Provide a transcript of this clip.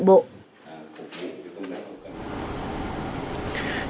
chương trình của bộ y tế